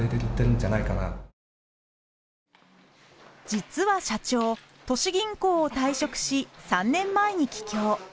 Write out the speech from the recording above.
実は社長都市銀行を退職し３年前に帰郷。